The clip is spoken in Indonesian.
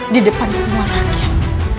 di depan semua rakyat